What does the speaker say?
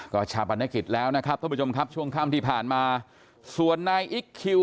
ก็ชาปนกิจแล้วนะครับท่านผู้ชมครับช่วงค่ำที่ผ่านมาส่วนนายอิ๊กคิว